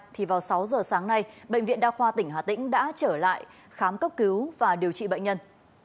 thì vào sáu giờ sáng nay bệnh viện đa khoa tỉnh hà tĩnh đã trở lại khám cấp cứu và điều trị bệnh nhân